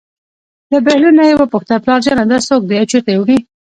له بهلول نه یې وپوښتل: پلارجانه دا څوک دی او چېرته یې وړي.